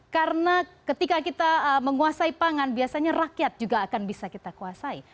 karena ketika kita menguasai pangan biasanya rakyat juga akan bisa kita kuasai